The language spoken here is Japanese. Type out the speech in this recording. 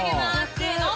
せの！